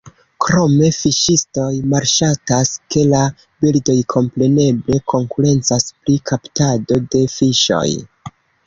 Krome fiŝistoj malŝatas, ke la birdoj kompreneble konkurencas pri kaptado de fiŝoj.